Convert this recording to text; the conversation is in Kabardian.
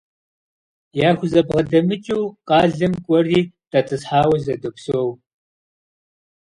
Яхузэбгъэдэмыкӏыу къалэм кӏуэри дэтӏысхьауэ зэдопсэу.